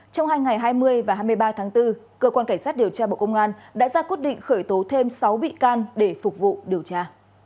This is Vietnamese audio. trong hai ngày hai mươi và hai mươi ba tháng bốn cơ quan cảnh sát điều tra bộ công an đã ra quyết định khởi tố thêm sáu bị can để phục vụ điều tra